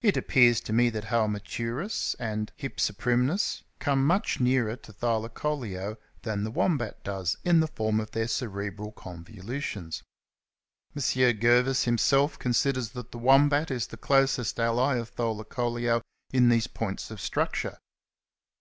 It appears to me that Halmaturus and Hypsiprymnus come much nearer to Thylacoleo than the Wombat does in the form of their cerebral convolutions. M. Gervais himself considers that the Wombat is the closest ally of Thylacoleo in these points of structure.